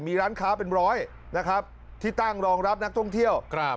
มีร้านค้าเป็นร้อยที่ตั้งรองรับนักท่วงเที่ยว